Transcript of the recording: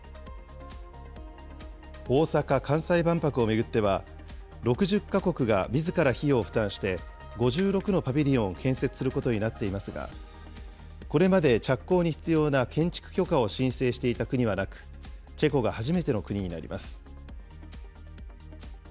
大阪・関西万博を巡っては、６０か国がみずから費用を負担して、５６のパビリオンを建設することになっていますが、これまで着工に必要な建築許可を申請していた国はなく、チェコが初めての国になります。